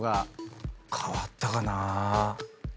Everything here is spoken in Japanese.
変わったかな。